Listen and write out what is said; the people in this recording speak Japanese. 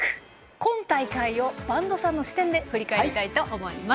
今大会を播戸さんの視点で振り返りたいと思います。